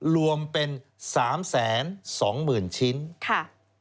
รวมเป็น๓๒หมื่นชิ้นค่ะ